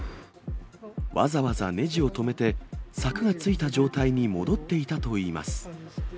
わざわざねじを留めて、柵がついた状態に戻っていたといいます。